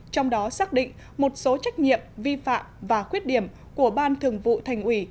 trong đó xác định một số trách nhiệm vi phạm và khuyết điểm của ban thường vụ thành ủy